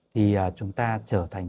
thì chúng ta trở thành